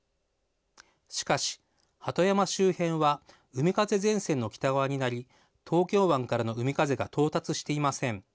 しかし、鳩山周辺は海風前線の北側になり、東京湾からの海風が到達していません。